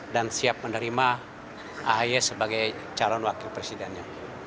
dan siap menerima ahy sebagai calon wakil presidennya